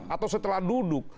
atau setelah duduk